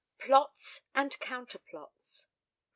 PLOTS AND COUNTERPLOTS.